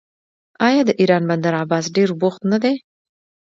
آیا د ایران بندر عباس ډیر بوخت نه دی؟